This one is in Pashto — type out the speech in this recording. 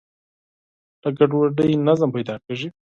له ګډوډۍ نظم پیدا کېږي.